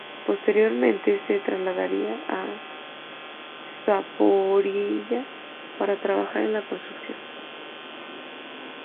Posteriormente se trasladaría a Zaporiyia para trabajar en la construcción.